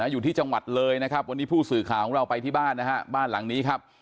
อยู่ที่จังหวัดเลยนะครับวันนี้ผู้สื่อข่าวของเราไปที่บ้านนะฮะบ้านหลังนี้ครับ